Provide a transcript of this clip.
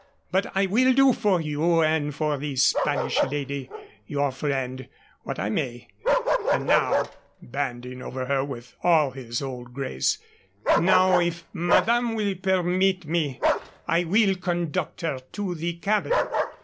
But I will do for you and for the Spanish lady, your friend, what I may; and now" bending over her with all his old grace "now, if madame will permit me, I will conduct her to the cabin."